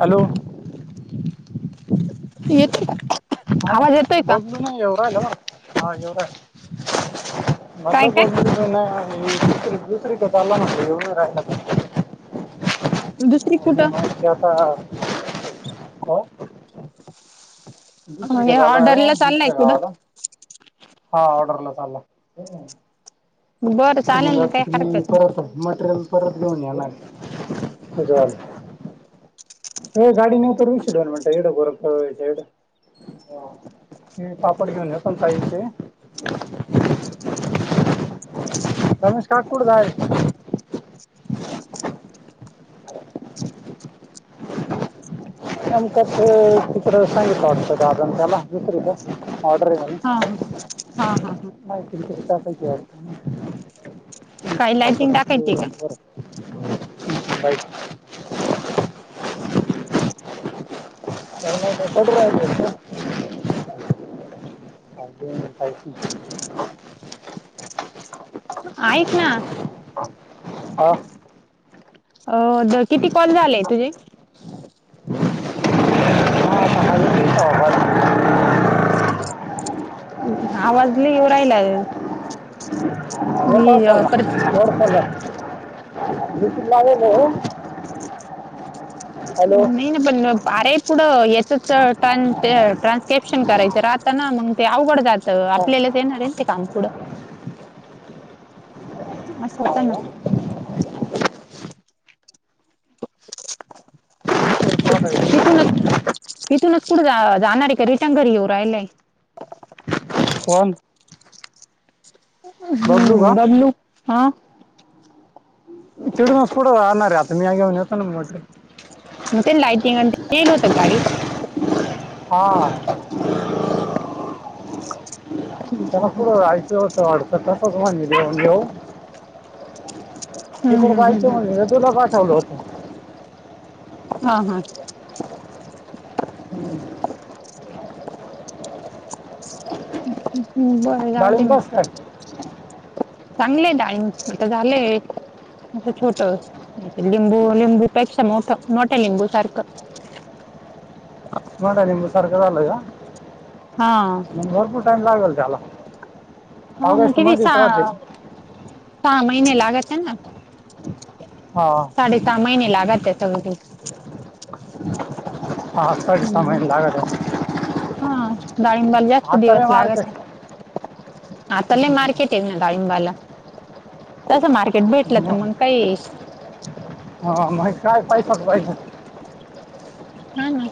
Hello येतय का ह आवाज येतोय का बदलू नाही एव राहिला! हा येवू काय राहिला [unintelligible] काय दुसरी दुसरीकताला म्हण येऊन राहिला. दुसरी आणि कुठं माता- हां दुसरी कडे हे चालला ना ऑर्डरला चाललाय दुसऱ्या गावाला कुठं हां ऑर्डरला चालला. [unintelligible] बरं मग च चालेल ना काही आ मी हरकत नाही परत मटेरियल परत घेऊन येणार आहे [unintelligible] हे गाडी नेऊ! गरमेंट येड पोर होय झेड हे पापड घेऊन जायच! [inaudible] रमेश का कुड जायलय! [inaudible] [unintelligible] ऑर्डर हा आहेेत हा हा हा हा नाय माहिती नाही. [inaudible] काही लायटिंग टाकायची का? बाईक [unintelligible] [inaudible] [unintelligible] [inaudible] ऐक ना. हा अ... द.... किती कॉल झाले तुझे? आता हा येतो का आवाज? अं... आवाज लई येवू राहिलाय हो काळ पला ळ [unintelligible] बसील लागल [unintelligible] नई न पन आरे पुढं याचच अ टान ते ट्रानकेप्शन करायचं राहताना मग ते अवघड जात. त आपल्यालाच येणार हे ते काम पूड असं होत हा, ना, या. तिथूनच [unintelligible] तिथूनच पुढे जा जाणार हे का रिटर्न घरी येऊ राहिलाये कोण हम्म बबलू का बदलू हा. तिडवास पुढ आणार र आता मी आई घेऊन येतो ना मठ. म लाईटिंग तेल होत गाडीत. हां. [inaudible] त्याला पुूड आयच होतं वाडतात तग मानी दे आ घ [unintelligible] तिकड हम्म हम्म काायचं हम्म म्हणल तुला पाठवल होत. हा हा. ह् [unintelligible] ह बर जावदे डाळिंब मग बस काय चांगले डाळींब आता झालेय अस छोट लिंबू लिंबूपेक्षा मोठ मोठ्या लिंबू सारखं. मोठा निंबू सार त झाल या हा टाईम लागल त्याला हा म ऑगस्ट किती मध्येच राहतील सां पणी नही लागतते ना हा साडे सहा माहिने लागते गतु.. हा साडेसहा हम्म महिने लागत आहे हा डाळिंबाला जास्त आता रे दिवस लागत मार्केट आता लय मारकेट हाय ना डाळिंबाला त्याच मार्केट भेटल त मग काय ह [unintelligible] हा म काय पाहिजे होई हा ना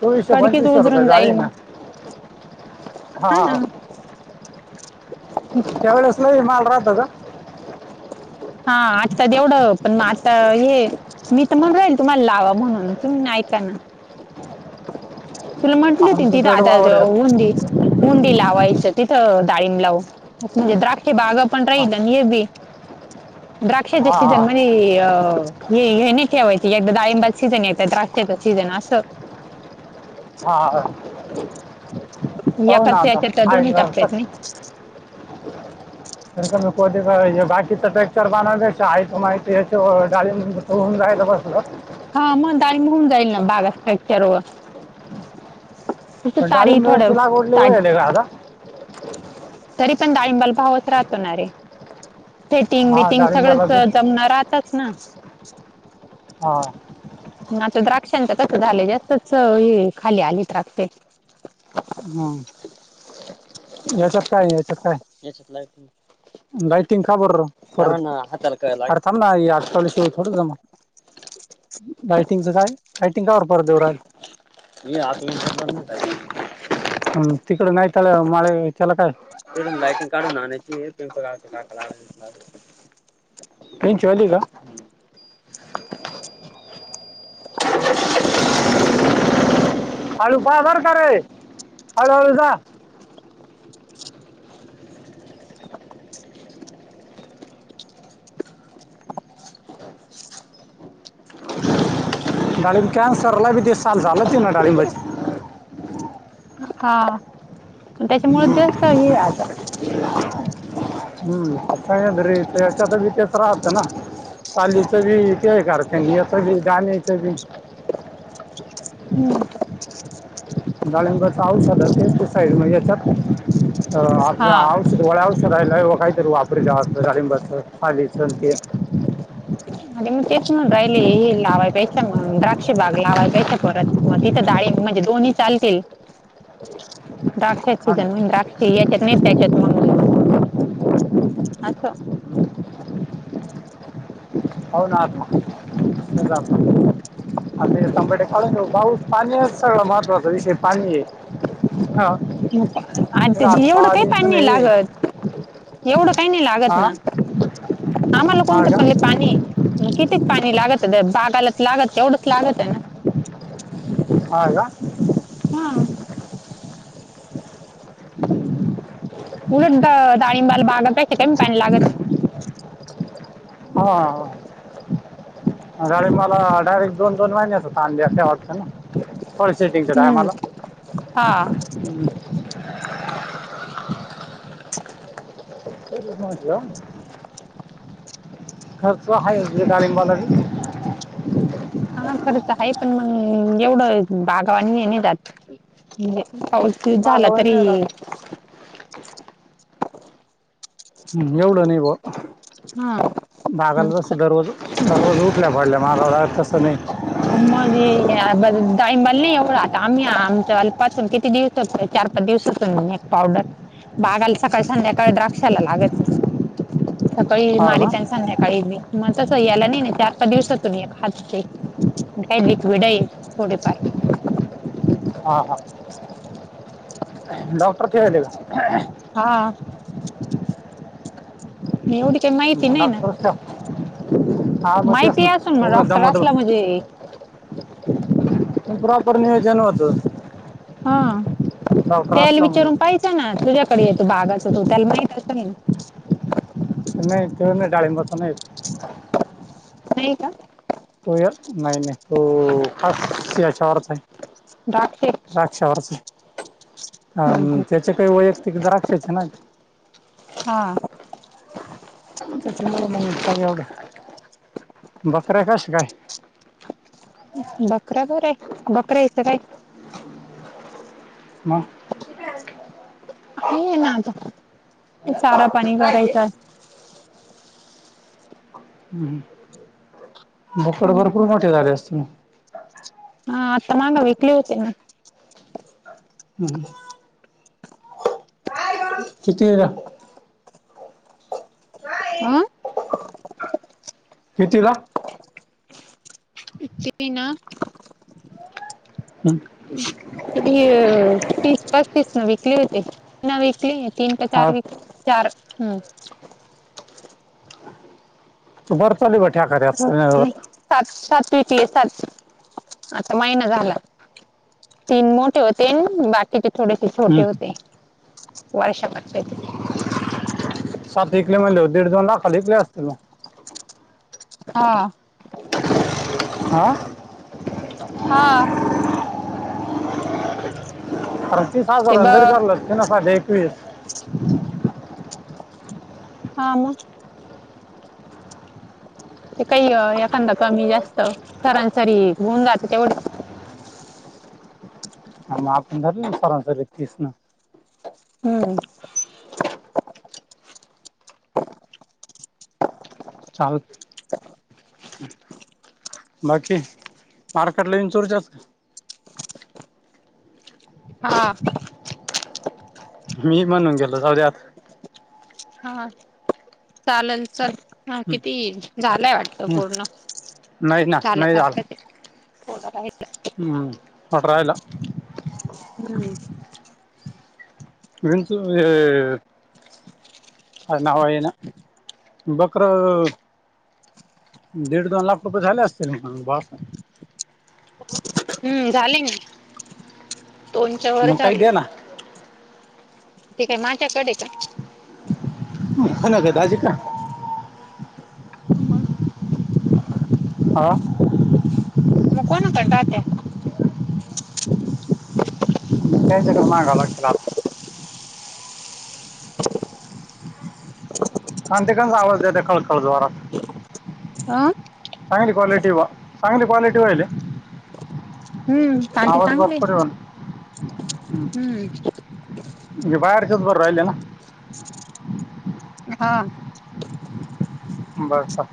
चोवीसशे कडकीच पंचवीसशे रुपये उदरून जाई जाळी म ना हा त्यावेळेस नाही माल राहत [unintelligible] हा आत्ता तेवढं पण मग आता हे मी तर म्हण राहील तुम्हाला लावा म्हणून तुम्ही ऐकना तुला म्हंटलं होती आमचं तिथ जड वावर आता आहे. उंडी उंडी ला तिथंडा डाळिंब लाव द्राक्ष बाग पण हा राहिल नाही हे बी द्राक्षचे सीजन हा मजी हे हे नाही ठेवायची एकदा डाळिंबाचा सीझन येत द्रक्ष्याचा सीजन असं हा पाहू ना एकात आता तर दोन्ही आहे का? टप्प्या आहेत नाही बाकी तर बेक्चर ब माहीतय डाळिंब होघून जायलं बसल हा मग होऊन जाईल ना बागा फ्रॅक्चर व तसं पण तारी थोडं डाळिंबाची लागवड लय ताट होय आली ग आता. तरी पण डाळिंबाल भावच राहतो ना रे. थेटिंग हा बेटिंग डाळिंबाला सगळच बी- जमणार. तेच ना. हा. आता द्राक्षांच तस झालय जास्तच हे खाली आली द्राक्ष हम्म. याच्यात काय याच्यात काय याच्यात. लायटिंग का बर र आर थांब ना थोडं हा लायटिंगचं काय लायटिंगच काय बर. तिकड नाही. आज बाजार का र हळू हळू जा. डाळिंब कॅन्सरला बी चालत झालंच ना. हा. त्याच्यामुळे जास्त हे अ [unintelligible] हम्म सयद्री त्याच्यात बी तेच राहतं ना सालीच बी ते करते याच बी गानीच बी हम्म. डालिमबाच औषध ते आहे ते साईड यांच्यात. त हा. औषध गोळ्या औषध. करायला काहीतरी वापरित्या डाळिंबाच पाणीच ते. आणि मग तेच म्हणून राहिले हे लावाय बेकशा मग द्राक्ष बाग लावाय बेकशा परत तिथं डाळी म्हणजे दोन्ही चालतील. द्राक्षची हा ना जमीन द्राक्ष याच्यात नाही त्याच्यात म्हणून. अस. हो ना ना. [unintelligible] कारण पाऊस पाणी सगळ महत्वाचा विषय पाणी आहे ह. आत्याजी एवढं काही पाणी नाही लागत एवढं काही नाही लागत हा ना आम्हाला हा कोणतं पली का पाणी आहे. मी किती पा पाणी लागत बागायलाच लागत तेवढंच लागत ना. [unintelligible] हा. [unintelligible] उलट दाळिंबाल बागात पेक्षा कमी पाणी लागत. हा गाडी मला डायरेक्ट दोन दोन महिन्याचा तानदेता वाटतन. थोडे सेटिंगच हम्म टायमला. हा [unintelligible] खर्च हाय हे गाडी मलानी. हा खरं तर आहे पण मग एवढं बागावा दात म्हणजे पाऊस विस झाला बागावर तरी. नाही राहत हुं एवढं नाही बो हा बागाला जस दररोज दररोज उठल्यावर. ह म आबा. टाईमबाला नाही एवढा आता आम्ही आमचा पासून किती दिवसतो चार पाच दिवसातुन एक टाईमला बागायला सकाळी संध्याकाळ द्राक्षाला लागत नाही. सकाळी हा का मारीत्या आणि संध्याकाळीबी म मतस. साई आला नाहीेन चार पाच दिवसात. हातचे काही लिक्विड आहे थोडेफार. हा हा डॉक्टर. कडे गेला. हा. नाही एवढी काही माहिती का नाही ना डॉक्टर ठेव हा मग तेच माहिती ना असून म डॉक्टर असला म्हणजे. पण प्रॉपर नियोजन होत. हा तेल विचारून म्हणजे पाहिचं ना तुझ्याकडे येतो बागाचा तो. तलमई त नाही ते नाही डाळिंबाचा नाही नाही का तो या नाही नाही तो खास द्राक्षावरच आहे द्राक्षे हम्म हम्म. त्याचे काही वैयक्तिक द्राक्षचे ना हा बकर कायस काय बकरा बर आहे बकरा यास काय मग आहे आहे ना आता ते चारा पाणी करायच आहे हम्म भकड भरपूर मोठे झाले असते ना हा आ त माग विकली ना हम् कितीरा काय अ कितीला चीना हम् किती नाव विकली तीन का हा चार वी चार हम्म बर चल बठ करर टिकले सात आता महिना झाला तीन मोठे होते बाकीचे थोडेसे छोटे हम्म. होते वर्षभ ते कल पला असतीलो हा हा हा ते अतीसजार ब अंदर कर लक्षण सा एकवीस हा म ते काही एखादा कमी जास्त सरांसरी होऊन जात तेवढ मा आपण झार सनसरी कृष्ण हम्म चाल बाकी मारकेटलाून तुरच्याात का हा मी म्हणून गेल सौद आत हा चालेल चल हा हम्म, किती झालंय वाटत हम्म. पूर्ण नाही ना नाही झालं झालंय प हम्म. पण राहिला हम् विंच का नावा ये ना बकर दीड दोन लाख रुपये झाले असतील म बा हम्म झाले ना फोनच्या मग वरच काही आले दे ना ते काय माझ्याकडे का खनाक दाज का ह ह मू कोण करता त्या [inaudible] कायच मा घालगतला [inaudible] काणतेकणचा आवाज द्याेत खळखळ जवारात आह चांगली क्वालिटी वा चांगली क्वालिटी वईल हम्म चांली चांगली हम्म तच बर राहिले ना हा बरं